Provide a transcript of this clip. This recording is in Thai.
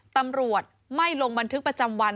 ตำรวจไม่ลงบันทึกประจำวัน